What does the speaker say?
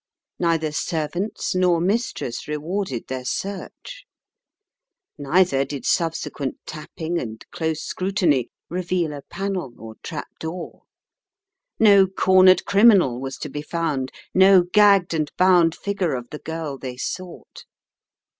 Neither servants nor mistress rewarded their search. Neither did subsequent tapping and close scrutiny reveal a panel or trap door. No cornered criminal was to be found; no gagged and bound figure of the girl they sought.